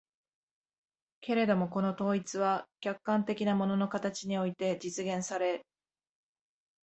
けれどもこの統一は客観的な物の形において実現され、